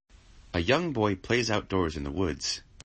A young boy plays outdoors in the woods.